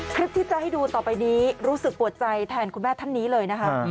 คลิปที่จะให้ดูต่อไปนี้รู้สึกปวดใจแทนคุณแม่ท่านนี้เลยนะคะ